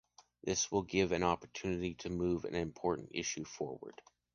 This will give an opportunity to move an important issue forward.